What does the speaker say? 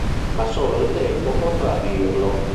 Ma solo il tempo potrà dirlo.